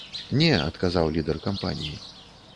Не, адказаў лідэр кампаніі.